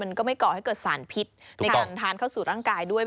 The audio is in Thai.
ก็ไม่ก่อให้เกิดสารพิษในการทานเข้าสู่ร่างกายด้วย